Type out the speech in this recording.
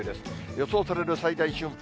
予想される最大瞬間